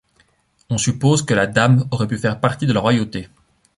On suppose que la dame aurait pu faire partie de la royauté.